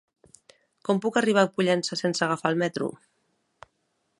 Com puc arribar a Pollença sense agafar el metro?